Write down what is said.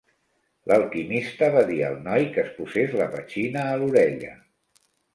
L'alquimista va dir al noi que es posés la petxina a l'orella.